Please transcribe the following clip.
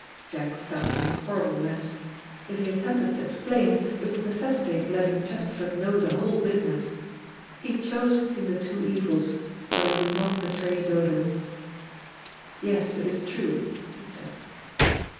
Jack felt in a horrible mess. If he attempted to explain, it would necessitate letting Chesterford know the whole business. He chose between the two evils, for he would not betray Dodo. "Yes, it is true," he said.